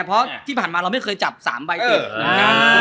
เพราะที่ผ่านมาเราไม่เคยจับ๓ใบติด